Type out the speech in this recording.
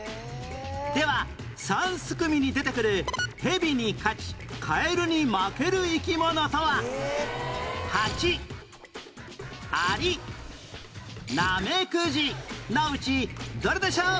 では三すくみに出てくるヘビに勝ちカエルに負ける生き物とはハチアリナメクジのうちどれでしょう？